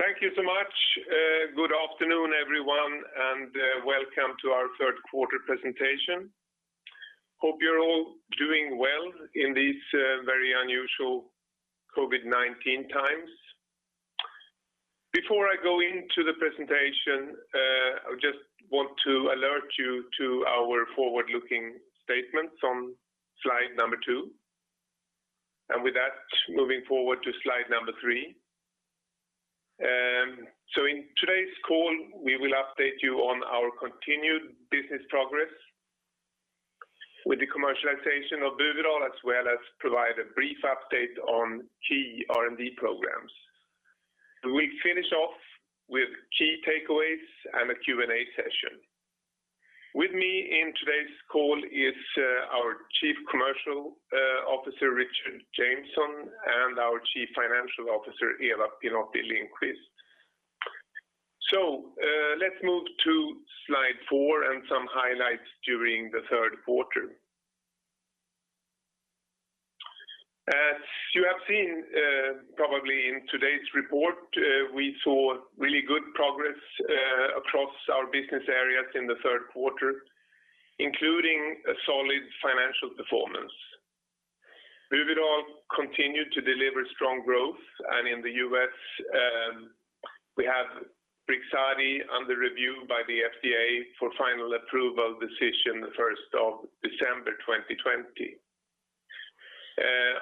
Thank you so much. Good afternoon, everyone, welcome to our third quarter presentation. Hope you're all doing well in these very unusual COVID-19 times. Before I go into the presentation, I just want to alert you to our forward-looking statements on slide number two. With that, moving forward to slide number three. In today's call, we will update you on our continued business progress with the commercialization of Buvidal, as well as provide a brief update on key R&D programs. We finish off with key takeaways and a Q&A session. With me in today's call is our Chief Commercial Officer, Richard Jameson, and our Chief Financial Officer, Eva Pinotti-Lindqvist. Let's move to slide four and some highlights during the third quarter. As you have seen probably in today's report, we saw really good progress across our business areas in the third quarter, including a solid financial performance. Buvidal continued to deliver strong growth. In the U.S., we have BRIXADI under review by the FDA for final approval decision the 1st of December 2020.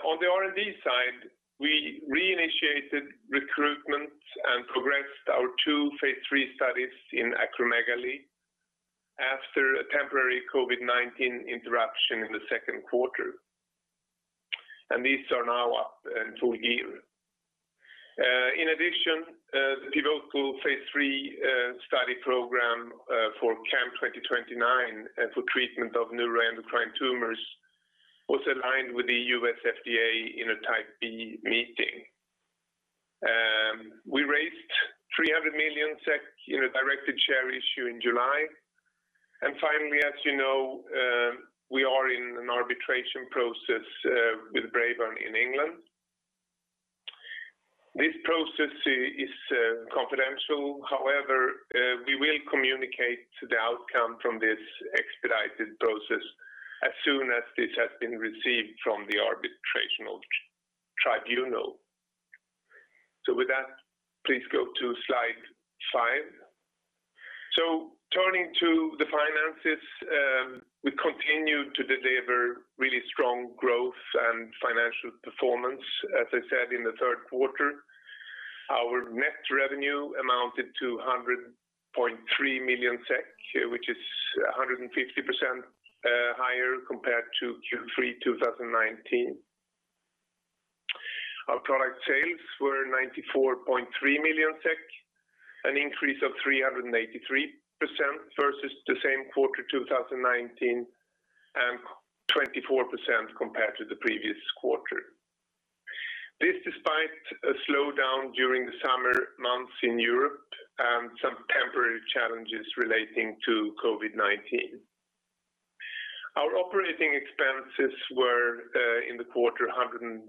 On the R&D side, we reinitiated recruitment and progressed our two phase III studies in acromegaly after a temporary COVID-19 interruption in the second quarter. These are now up and full gear. In addition, the pivotal phase III study program for CAM2029 for treatment of neuroendocrine tumors was aligned with the U.S. FDA in a Type B meeting. We raised 300 million SEK in a directed share issue in July. Finally, as you know, we are in an arbitration process with Braeburn in England. This process is confidential. We will communicate the outcome from this expedited process as soon as this has been received from the arbitrational tribunal. With that, please go to slide five. Turning to the finances, we continue to deliver really strong growth and financial performance, as I said, in the third quarter. Our net revenue amounted to 100.3 million SEK, which is 150% higher compared to Q3 2019. Our product sales were 94.3 million SEK, an increase of 383% versus the same quarter 2019, and 24% compared to the previous quarter. This despite a slowdown during the summer months in Europe and some temporary challenges relating to COVID-19. Our operating expenses were in the quarter 113.4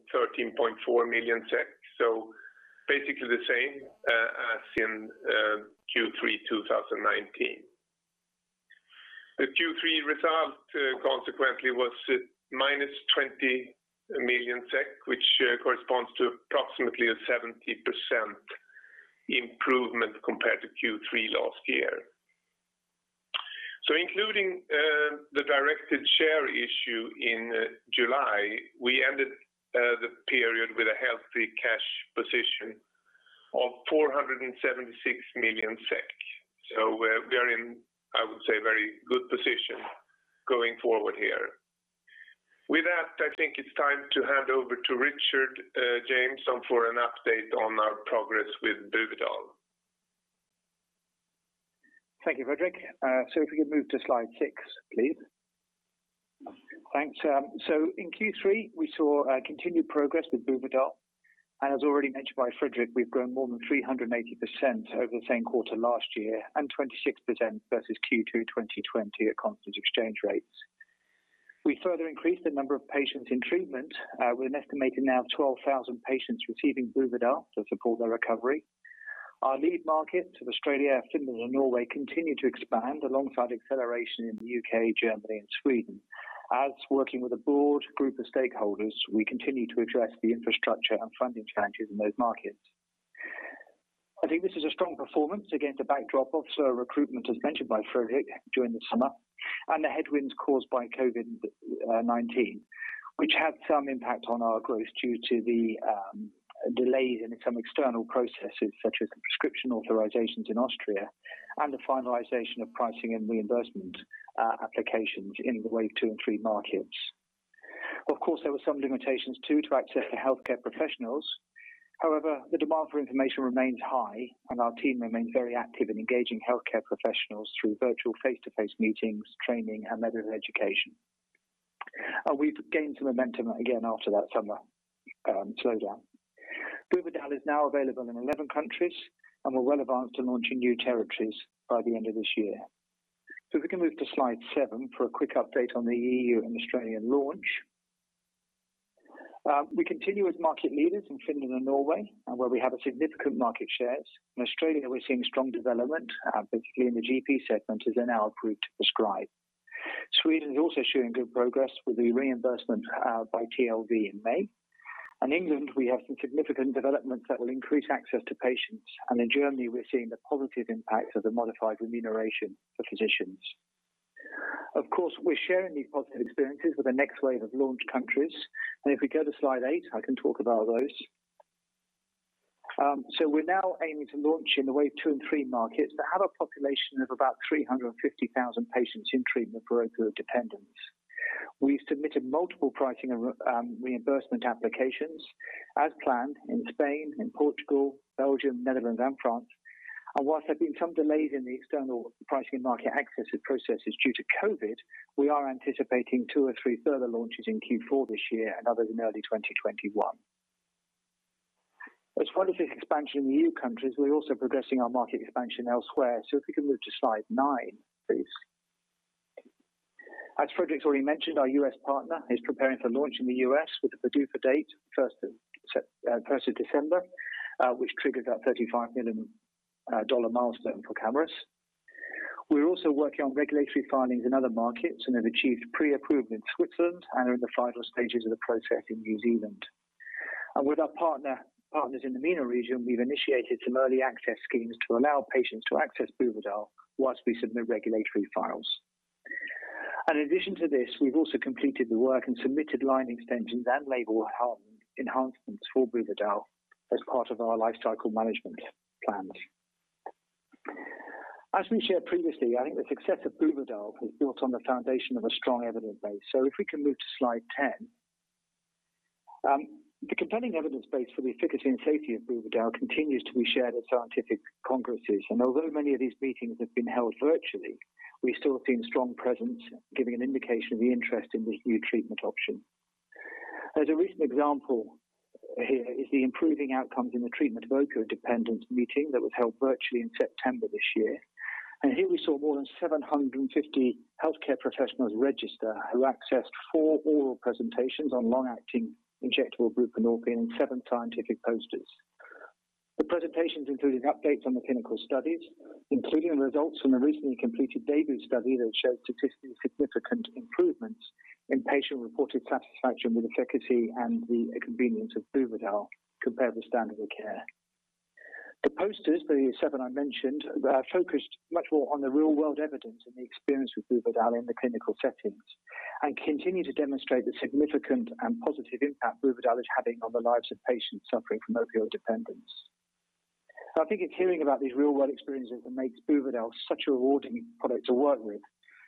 million, so basically the same as in Q3 2019. The Q3 result, consequently, was -20 million SEK, which corresponds to approximately a 70% improvement compared to Q3 last year. Including the directed share issue in July, we ended the period with a healthy cash position of 476 million SEK. We're in, I would say, very good position going forward here. With that, I think it's time to hand over to Richard Jameson for an update on our progress with Buvidal. Thank you, Fredrik. If we could move to slide six, please. Thanks. In Q3, we saw continued progress with Buvidal. As already mentioned by Fredrik, we've grown more than 380% over the same quarter last year and 26% versus Q2 2020 at constant exchange rates. We further increased the number of patients in treatment with an estimated now 12,000 patients receiving Buvidal to support their recovery. Our lead markets of Australia, Finland, and Norway continue to expand alongside acceleration in the U.K., Germany, and Sweden. As working with a broad group of stakeholders, we continue to address the infrastructure and funding challenges in those markets. I think this is a strong performance against a backdrop of slow recruitment, as mentioned by Fredrik during the summer, and the headwinds caused by COVID-19, which had some impact on our growth due to the delays in some external processes such as prescription authorizations in Austria and the finalization of pricing and reimbursement applications in the wave two and three markets. Of course, there were some limitations too to access for healthcare professionals. The demand for information remains high and our team remains very active in engaging healthcare professionals through virtual face-to-face meetings, training, and medical education. We've gained some momentum again after that summer slowdown. Buvidal is now available in 11 countries and we're well advanced in launching new territories by the end of this year. If we can move to slide seven for a quick update on the EU and Australian launch. We continue as market leaders in Finland and Norway, where we have significant market shares. In Australia, we're seeing strong development, particularly in the GP segment, as they're now approved to prescribe. Sweden is also showing good progress with the reimbursement by TLV in May. In England, we have some significant developments that will increase access to patients. In Germany, we're seeing the positive impact of the modified remuneration for physicians. Of course, we're sharing these positive experiences with the next wave of launch countries. If we go to slide eight, I can talk about those. We're now aiming to launch in the wave two and three markets that have a population of about 350,000 patients in treatment for opioid dependence. We've submitted multiple pricing and reimbursement applications, as planned, in Spain, in Portugal, Belgium, Netherlands, and France. Whilst there have been some delays in the external pricing and market access processes due to COVID-19, we are anticipating two or three further launches in Q4 this year and others in early 2021. As part of this expansion in the EU countries, we're also progressing our market expansion elsewhere. If we can move to slide nine, please. As Fredrik's already mentioned, our U.S. partner is preparing for launch in the U.S. with a PDUFA date, 1st of December, which triggers that SEK 35 million milestone for Camurus. We're also working on regulatory filings in other markets and have achieved pre-approval in Switzerland and are in the final stages of the process in New Zealand. With our partners in the MENA region, we've initiated some early access schemes to allow patients to access Buvidal whilst we submit regulatory files. In addition to this, we've also completed the work and submitted line extensions and label enhancements for Buvidal as part of our lifecycle management plans. As we shared previously, I think the success of Buvidal is built on the foundation of a strong evidence base. If we can move to slide 10. The compelling evidence base for the efficacy and safety of Buvidal continues to be shared at scientific congresses. Although many of these meetings have been held virtually, we've still seen strong presence giving an indication of the interest in this new treatment option. As a recent example here is the Improving Outcomes in the Treatment of Opioid Dependence meeting that was held virtually in September this year. Here we saw more than 750 healthcare professionals register who accessed four oral presentations on long-acting injectable buprenorphine and seven scientific posters. The presentations included updates on the clinical studies, including the results from the recently completed DEBUT study that showed statistically significant improvements in patient-reported satisfaction with efficacy and the convenience of Buvidal compared with standard of care. The posters, the seven I mentioned, focused much more on the real-world evidence and the experience with Buvidal in the clinical settings and continue to demonstrate the significant and positive impact Buvidal is having on the lives of patients suffering from opioid dependence. I think it's hearing about these real-world experiences that makes Buvidal such a rewarding product to work with,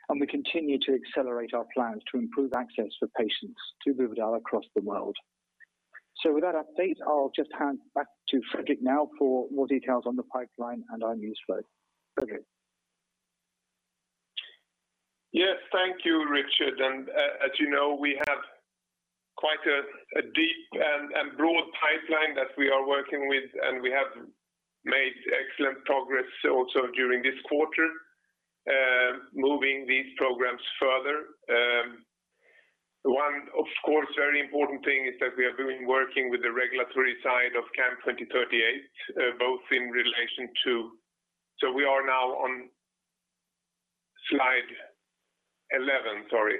and we continue to accelerate our plans to improve access for patients to Buvidal across the world. With that update, I'll just hand back to Fredrik now for more details on the pipeline and our news flow. Fredrik? Yes. Thank you, Richard. As you know, we have quite a deep and broad pipeline that we are working with, and we have made excellent progress also during this quarter, moving these programs further. One, of course, very important thing is that we have been working with the regulatory side of CAM2038. So we are now on slide 11, sorry.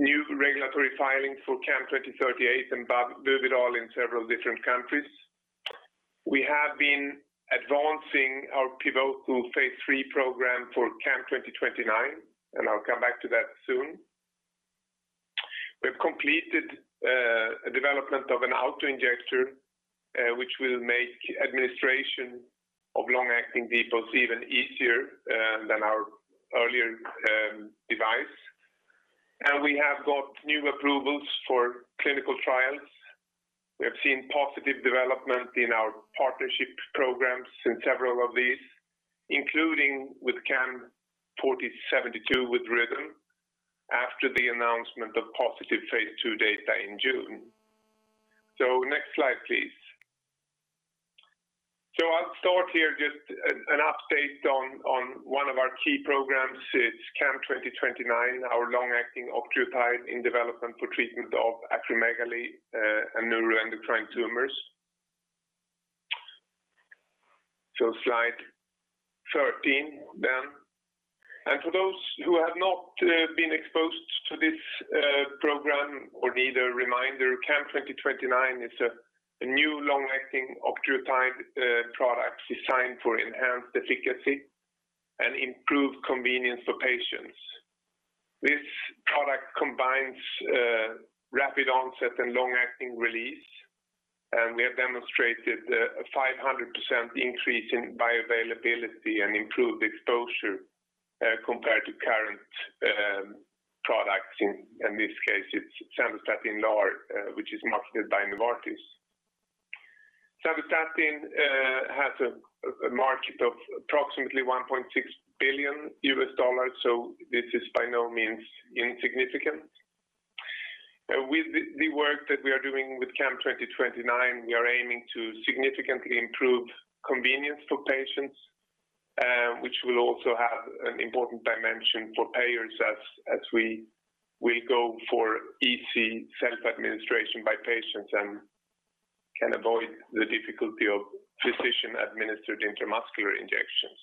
New regulatory filings for CAM2038 and Buvidal in several different countries. We have been advancing our pivotal phase III program for CAM2029, and I'll come back to that soon. We've completed a development of an auto-injector, which will make administration of long-acting depots even easier than our earlier device. We have got new approvals for clinical trials. We have seen positive development in our partnership programs in several of these, including with CAM4072 with Rhythm after the announcement of positive phase II data in June. Next slide, please. I'll start here, just an update on one of our key programs. It's CAM2029, our long-acting octreotide in development for treatment of acromegaly and neuroendocrine tumors. Slide 13 then. For those who have not been exposed to this program or need a reminder, CAM2029 is a new long-acting octreotide product designed for enhanced efficacy and improved convenience for patients. This product combines rapid onset and long-acting release, and we have demonstrated a 500% increase in bioavailability and improved exposure compared to current products. In this case, it's Sandostatin LAR, which is marketed by Novartis. Sandostatin has a market of approximately $1.6 billion US. With the work that we are doing with CAM2029, we are aiming to significantly improve convenience for patients, which will also have an important dimension for payers as we go for easy self-administration by patients and can avoid the difficulty of physician-administered intramuscular injections.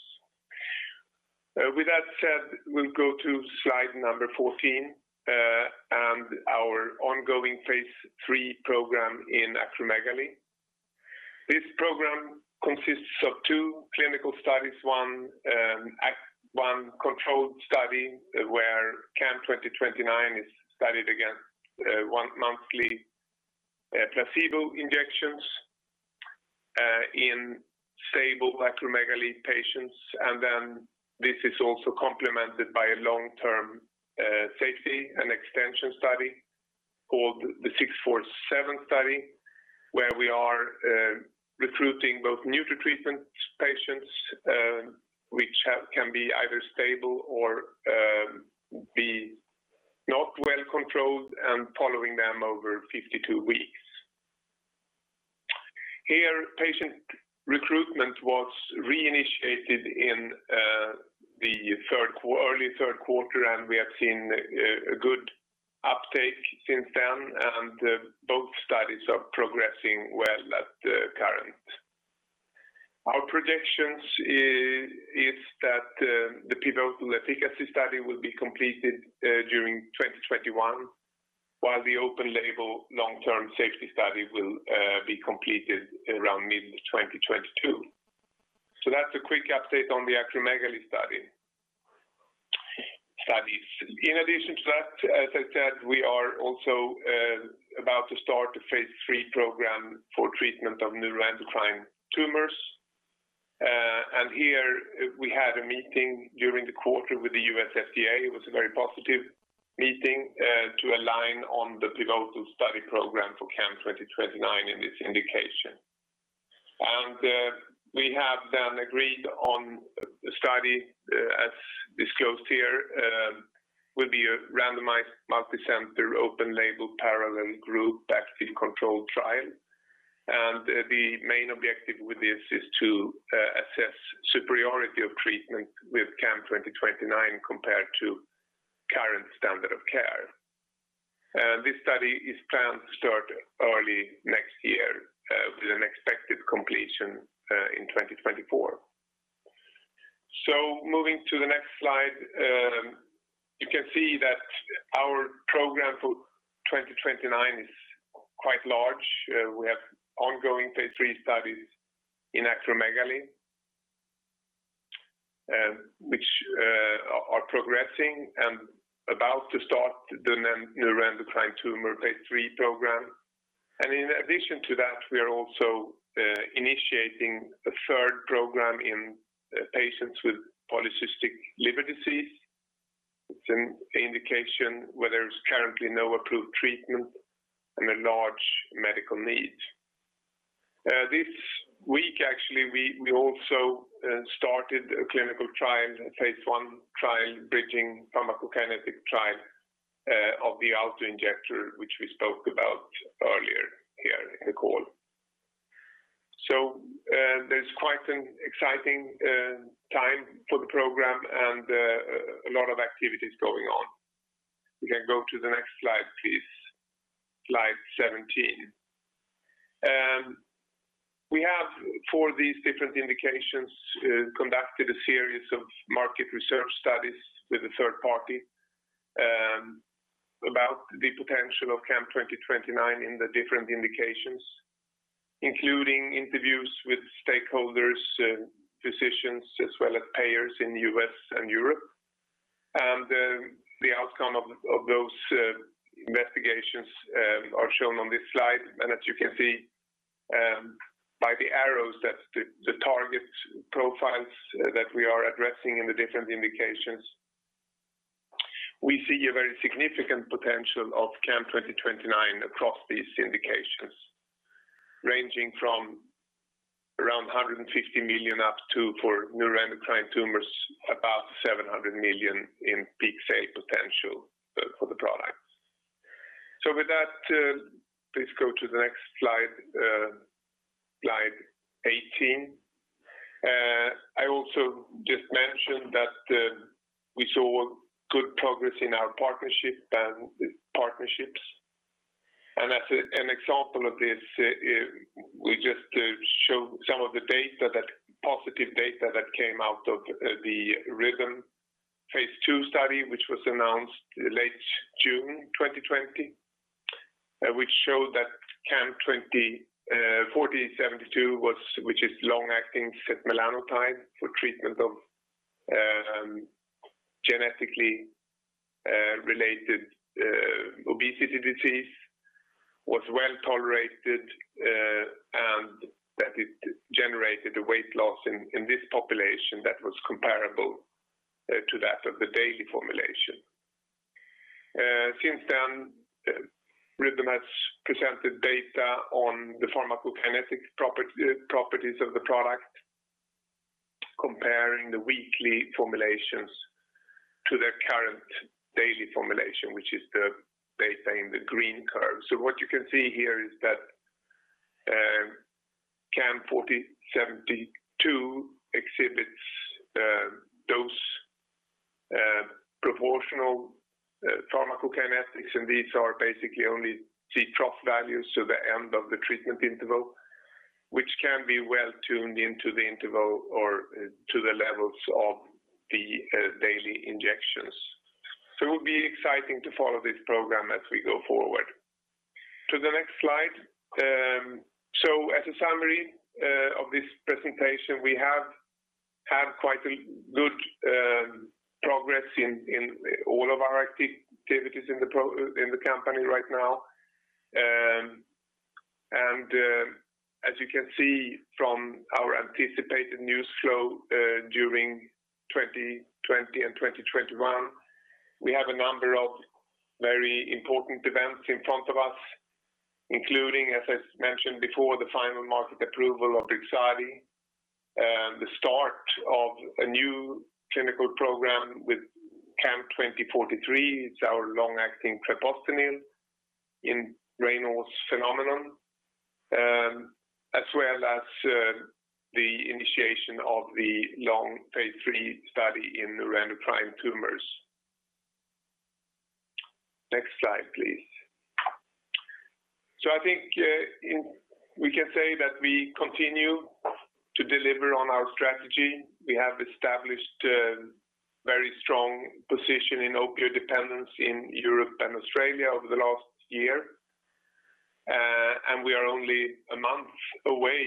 With that said, we'll go to slide number 14 and our ongoing phase III program in acromegaly. This program consists of two clinical studies, one controlled study where CAM2029 is studied against once-monthly placebo injections in stable acromegaly patients. This is also complemented by a long-term safety and extension study called the 647 study, where we are recruiting both new-to-treatment patients, which can be either stable or be not well controlled, and following them over 52 weeks. Here, patient recruitment was re-initiated in the early 3rd quarter, we have seen a good uptake since then, both studies are progressing well at current. Our predictions is that the pivotal efficacy study will be completed during 2021, while the open-label long-term safety study will be completed around mid-2022. That's a quick update on the acromegaly studies. In addition to that, as I said, we are also about to start the phase III program for treatment of neuroendocrine tumors. Here we had a meeting during the quarter with the U.S. FDA. It was a very positive meeting to align on the pivotal study program for CAM2029 in this indication. We have then agreed on a study, as disclosed here, will be a randomized, multicenter, open-label, parallel group, active-controlled trial. The main objective with this is to assess superiority of treatment with CAM2029 compared to current standard of care. This study is planned to start early next year with an expected completion in 2024. Moving to the next slide, you can see that our program for CAM2029 is quite large. We have ongoing phase III studies in acromegaly, which are progressing and about to start the neuroendocrine tumor phase III program. In addition to that, we are also initiating a third program in patients with polycystic liver disease. It's an indication where there is currently no approved treatment and a large medical need. This week, actually, we also started a clinical trial, phase I trial, bridging pharmacokinetic trial of the auto-injector, which we spoke about earlier here in the call. There's quite an exciting time for the program and a lot of activities going on. We can go to the next slide, please. Slide 17. We have, for these different indications, conducted a series of market research studies with a third party about the potential of CAM2029 in the different indications, including interviews with stakeholders, physicians, as well as payers in the U.S. and Europe. The outcome of those investigations are shown on this slide. As you can see by the arrows, that is the target profiles that we are addressing in the different indications. We see a very significant potential of CAM2029 across these indications, ranging from around 150 million up to, for neuroendocrine tumors, about 700 million in peak sale potential for the product. With that, please go to the next slide 18. I also just mentioned that we saw good progress in our partnerships. As an example of this, we just show some of the positive data that came out of the Rhythm phase II study, which was announced late June 2020, which showed that CAM4072, which is long-acting setmelanotide for treatment of genetically related obesity disease, was well tolerated and that it generated a weight loss in this population that was comparable to that of the daily formulation. Since then, Rhythm has presented data on the pharmacokinetic properties of the product. During the weekly formulations to their current daily formulation, which is the data in the green curve. What you can see here is that CAM4072 exhibits dose proportional pharmacokinetics, and these are basically only C trough values, so the end of the treatment interval, which can be well tuned into the interval or to the levels of the daily injections. It will be exciting to follow this program as we go forward. To the next slide. As a summary of this presentation, we have had quite good progress in all of our activities in the company right now. As you can see from our anticipated news flow, during 2020 and 2021, we have a number of very important events in front of us, including, as I mentioned before, the final market approval of BRIXADI, the start of a new clinical program with CAM2043. It's our long-acting treprostinil in Raynaud's phenomenon, as well as the initiation of the long phase III study in neuroendocrine tumors. Next slide, please. I think we can say that we continue to deliver on our strategy. We have established a very strong position in opioid dependence in Europe and Australia over the last year. We are only a month away,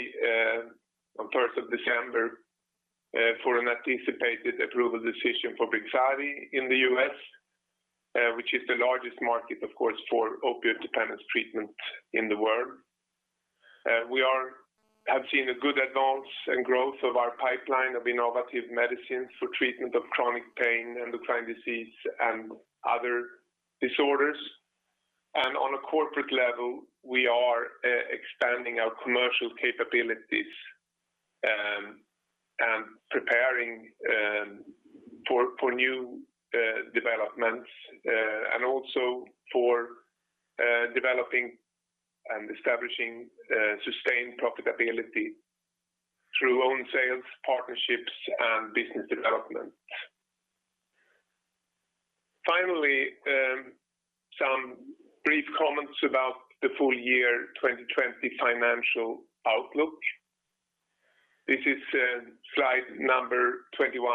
on 1st of December, for an anticipated approval decision for BRIXADI in the U.S., which is the largest market, of course, for opioid dependence treatment in the world. We have seen a good advance and growth of our pipeline of innovative medicines for treatment of chronic pain, endocrine disease, and other disorders. On a corporate level, we are expanding our commercial capabilities and preparing for new developments, and also for developing and establishing sustained profitability through own sales, partnerships, and business development. Finally, some brief comments about the full year 2020 financial outlook. This is slide number 21,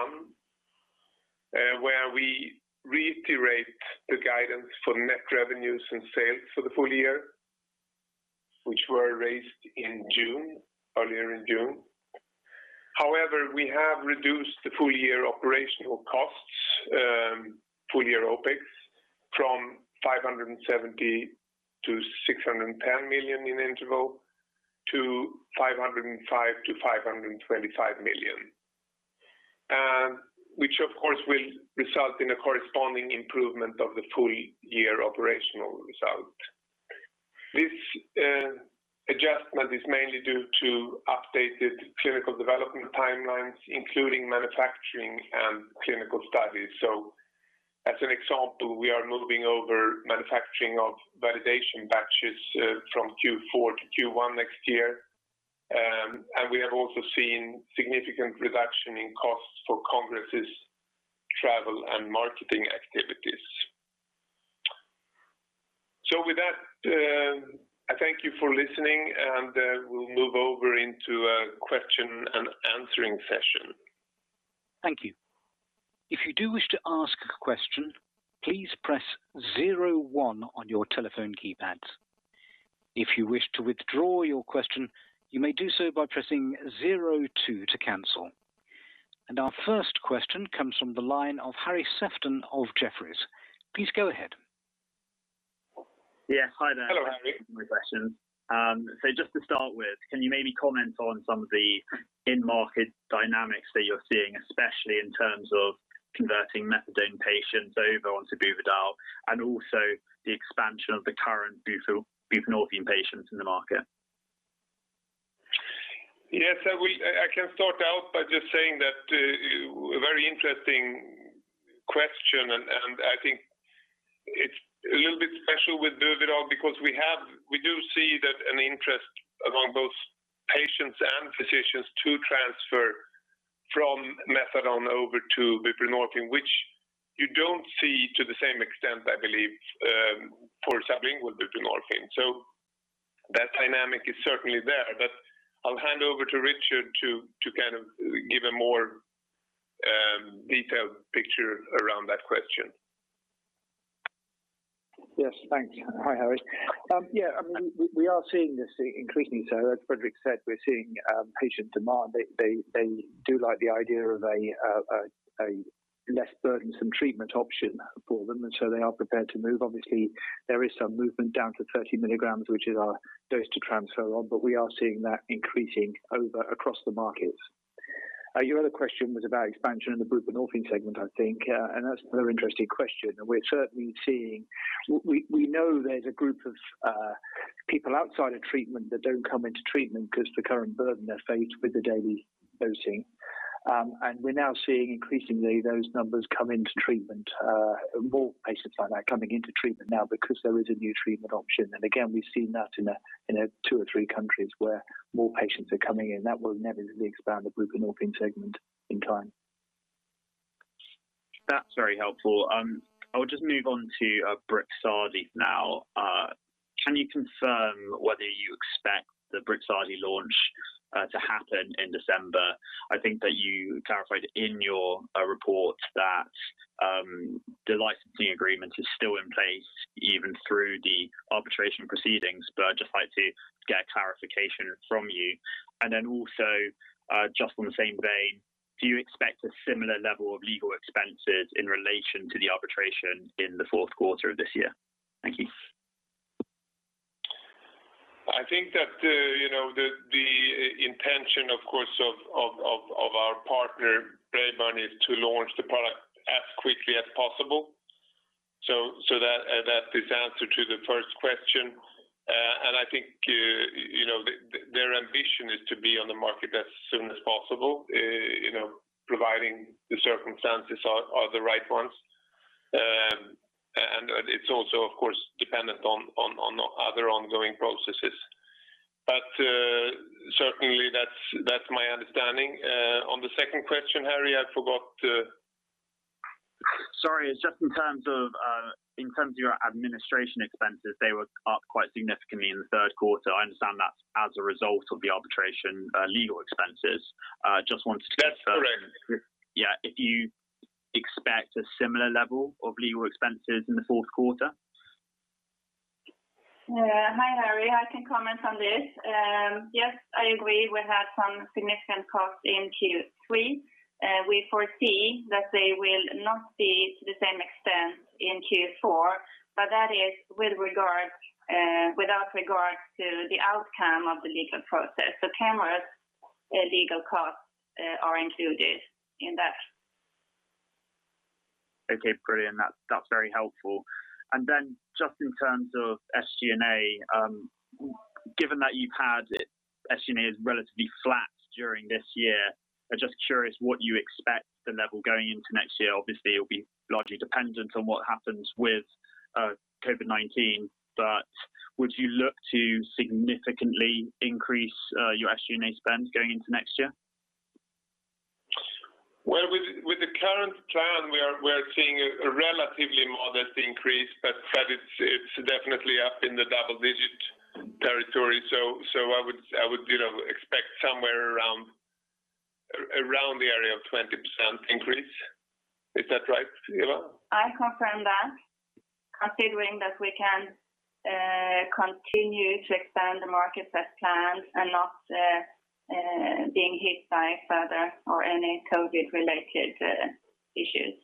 where we reiterate the guidance for net revenues and sales for the full year, which were raised earlier in June. However, we have reduced the full-year operational costs, full-year OPEX, from 570 million-610 million in interval to 505 million-525 million. Which of course will result in a corresponding improvement of the full-year operational result. This adjustment is mainly due to updated clinical development timelines, including manufacturing and clinical studies. As an example, we are moving over manufacturing of validation batches from Q4 to Q1 next year. We have also seen significant reduction in costs for congresses, travel, and marketing activities. With that, I thank you for listening, and we'll move over into a question and answering session. Thank you. If you do wish to ask a question, please press zero one on your telephone keypads. If you wish to withdraw your question, you may do so by pressing zero two to cancel. Our first question comes from the line of Harry Sephton of Jefferies. Please go ahead. Yeah. Hi there. Hello, Harry. Thanks for taking my question. Just to start with, can you maybe comment on some of the in-market dynamics that you're seeing, especially in terms of converting methadone patients over onto Buvidal, and also the expansion of the current buprenorphine patients in the market? Yes. I can start out by just saying that a very interesting question, and I think it's a little bit special with Buvidal because we do see that an interest among both patients and physicians to transfer from methadone over to buprenorphine, which you don't see to the same extent, I believe, for sublingual buprenorphine. That dynamic is certainly there. I'll hand over to Richard to give a more detailed picture around that question. Yes. Thanks. Hi, Harry. Yeah, we are seeing this increasing. As Fredrik said, we're seeing patient demand. They do like the idea of a less burdensome treatment option for them, and so they are prepared to move. Obviously, there is some movement down to 30 mg, which is our dose to transfer on, but we are seeing that increasing over across the markets. Your other question was about expansion in the buprenorphine segment, I think, and that's another interesting question. We know there's a group of people outside of treatment that don't come into treatment because the current burden they face with the daily dosing We're now seeing increasingly those numbers come into treatment, more patients like that coming into treatment now because there is a new treatment option. Again, we've seen that in two or three countries where more patients are coming in. That will inevitably expand the buprenorphine segment in time. That's very helpful. I'll just move on to BRIXADI now. Can you confirm whether you expect the BRIXADI launch to happen in December? I think that you clarified in your report that the licensing agreement is still in place, even through the arbitration proceedings. I'd just like to get clarification from you. Also, just on the same vein, do you expect a similar level of legal expenses in relation to the arbitration in the fourth quarter of this year? Thank you. I think that the intention, of course, of our partner Braeburn is to launch the product as quickly as possible. That is answer to the first question. I think their ambition is to be on the market as soon as possible, providing the circumstances are the right ones. It's also, of course, dependent on other ongoing processes. Certainly that's my understanding. On the second question, Harry, I forgot. Sorry. It's just in terms of your administration expenses, they were up quite significantly in the third quarter. I understand that is as a result of the arbitration legal expenses. Just wanted to confirm. That's correct. yeah, if you expect a similar level of legal expenses in the fourth quarter? Hi, Harry. I can comment on this. Yes, I agree, we had some significant costs in Q3. We foresee that they will not be to the same extent in Q4, but that is without regard to the outcome of the legal process. Camurus legal costs are included in that. Okay, brilliant. That's very helpful. Just in terms of SG&A, given that you've had SG&As relatively flat during this year, I'm just curious what you expect the level going into next year. Obviously, it'll be largely dependent on what happens with COVID-19, but would you look to significantly increase your SG&A spend going into next year? With the current plan, we are seeing a relatively modest increase, but it's definitely up in the double-digit territory. I would expect somewhere around the area of 20% increase. Is that right, Eva? I confirm that, considering that we can continue to expand the market as planned and not being hit by further or any COVID related issues.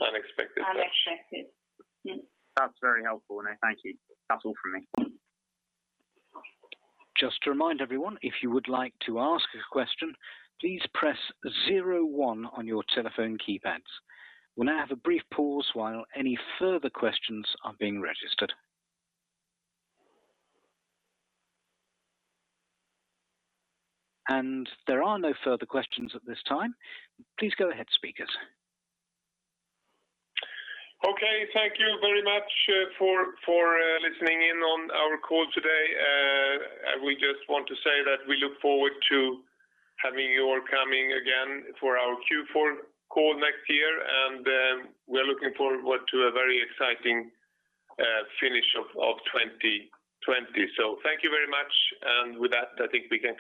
Unexpected issues. Unexpected. That's very helpful. No, thank you. That's all from me. Just to remind everyone, if you would like to ask a question, please press 01 on your telephone keypads. We'll now have a brief pause while any further questions are being registered. There are no further questions at this time. Please go ahead, speakers. Okay. Thank you very much for listening in on our call today. We just want to say that we look forward to having you all coming again for our Q4 call next year, and we are looking forward to a very exciting finish of 2020. Thank you very much. With that, I think we can.